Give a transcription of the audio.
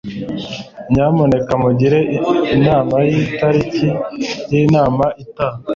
nyamuneka mungire inama yitariki yinama itaha